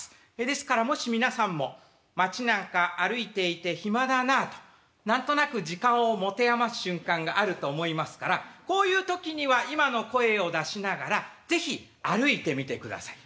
ですからもし皆さんも街なんか歩いていて暇だなあと何となく時間を持て余す瞬間があると思いますからこういう時には今の声を出しながら是非歩いてみてください。